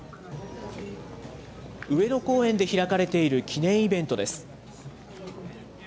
上野公園で開かれている記念イベントです。